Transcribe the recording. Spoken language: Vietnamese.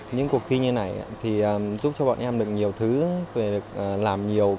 những cuộc thi như này giúp cho bọn em được nhiều thứ làm nhiều